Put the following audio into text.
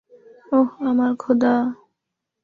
ওহ আমার খোদা!